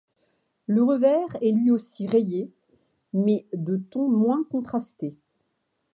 Le revers est lui aussi rayé mais de tons moins contrastés.